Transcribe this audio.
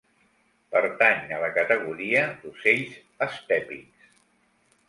Pertany a la categoria d'ocells estèpics.